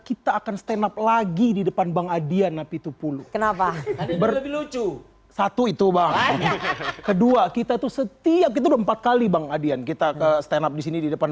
itu banget kedua kita tuh setiap itu empat kali bang adrian kita ke stand up disini di depan